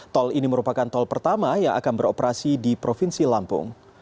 tol ini merupakan tol pertama yang akan beroperasi di provinsi lampung